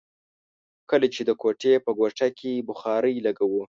کله چې د کوټې په ګوښه کې بخارۍ لګوو.